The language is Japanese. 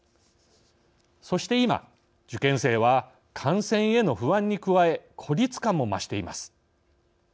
そして、今、受験生は感染への不安に加え孤立感も増しています。